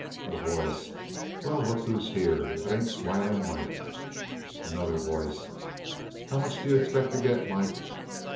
A Voice. "Well, look who's here. If it ain't Smiling Mike." Another Voice. "How much do you expect to get, Mike?"